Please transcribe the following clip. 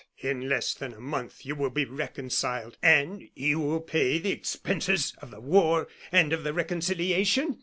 "In less than a month you will be reconciled. And you will pay the expenses of the war and of the reconciliation?